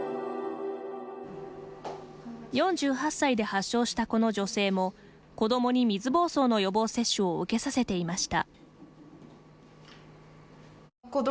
４８歳で発症したこの女性も子どもに、水ぼうそうの予防接種を受けさせていました。